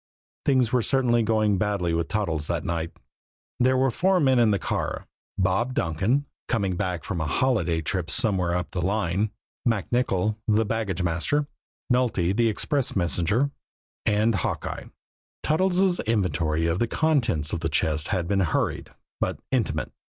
Things were certainly going badly with Toddles that night. There were four men in the car: Bob Donkin, coming back from a holiday trip somewhere up the line; MacNicoll, the baggage master; Nulty, the express messenger and Hawkeye. Toddles' inventory of the contents of the chest had been hurried but intimate.